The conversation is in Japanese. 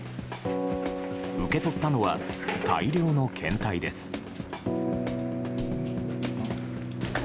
受け取ったのは大量の検体です。